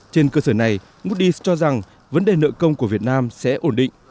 trên cơ sở này moody s cho rằng vấn đề nợ công của việt nam sẽ ổn định